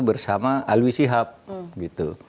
bersama alwi sihab gitu